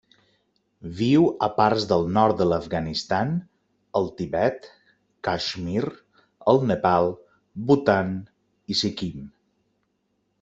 Viu a parts del nord de l'Afganistan, el Tibet, Caixmir, el Nepal, Bhutan i Sikkim.